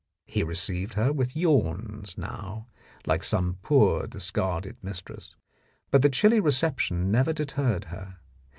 He received her with yawns now, like some poor discarded mistress, but the chilly reception never deterred her.